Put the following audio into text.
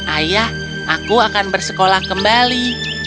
ayah aku akan bersekolah kembali